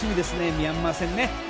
ミャンマー戦ね。